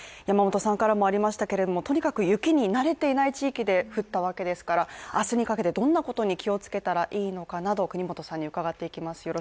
山本さんからもありましたけれどもとにかく雪に慣れていない地域で降ったわけですから明日にかけてどんなことに気をつけたらいいのかなどを國本さんに伺っていきます